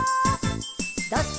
「どっち？」